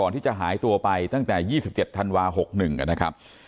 ที่จะหายตัวไปตั้งแต่๒๗ธันวา๖๑นะครับ